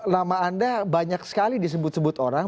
nama anda banyak sekali disebut sebut orang